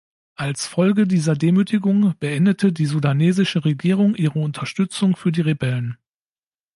Als Folge dieser Demütigung beendete die sudanesische Regierung ihre Unterstützung für die Rebellen.